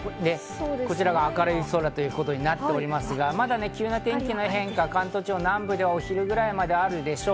こちらが明るい空となっていますが、急な天気の変化、関東地方南部ではお昼くらいまであるでしょう。